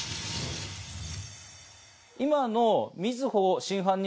今の。